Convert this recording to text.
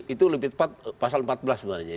itu lebih tepat pasal empat belas sebenarnya